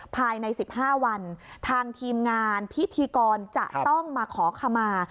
ภายใน๑๕วันทางทีมงานพิธีกรจะต้องมาขอขมา